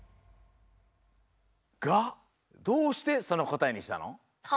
が？どうしてそのこたえにしたの？